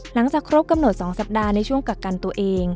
หลังจากครบกำหนด๒สัปดาห์ในช่วงกักกันตัวเอง